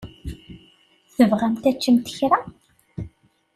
Tebɣamt ad teččemt kra?